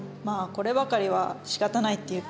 こればかりはしかたないっていうか。